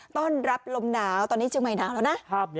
ต้อนรับลมหนาวตอนนี้เชียงใหม่หนาวแล้วนะ